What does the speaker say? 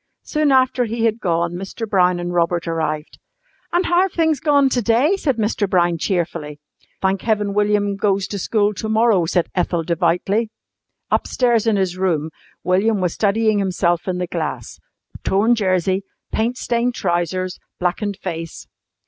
Soon after he had gone Mr. Brown and Robert arrived. "And how have things gone to day?" said Mr. Brown cheerfully. "Thank heaven William goes to school to morrow," said Ethel devoutly. Upstairs in his room William was studying himself in the glass torn jersey, paint stained trousers, blackened face.